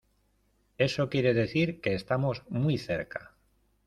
eso quiere decir que estamos muy cerca.